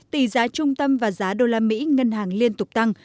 tỷ giá trung tâm và giá đô la mỹ ngân hàng liên tục tăng